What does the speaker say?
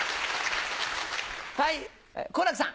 はい好楽さん。